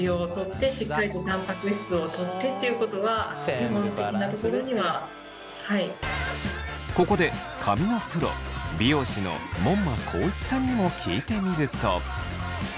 基本的にはやはりここで髪のプロ美容師の門馬宏一さんにも聞いてみると。